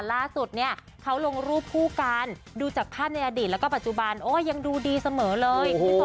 ล่าสุดเนี่ยเขาลงรูปคู่กันดูจากภาพในอดีตแล้วก็ปัจจุบันโอ้ยังดูดีเสมอเลยคุณผู้ชม